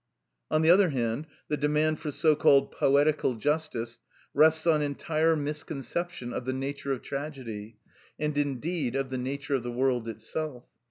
On the other hand, the demand for so called poetical justice rests on entire misconception of the nature of tragedy, and, indeed, of the nature of the world itself.